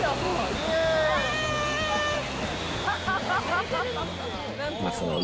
イエーイ！